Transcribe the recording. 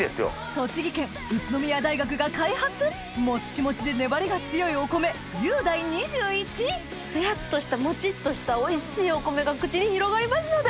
栃木県宇都宮大学が開発もっちもちで粘りが強いお米ゆうだい２１つやっとしたもちっとしたおいしいお米が口に広がりますので！